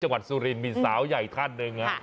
จังหวัดสุรินทร์มีสาวใหญ่ท่านหนึ่ง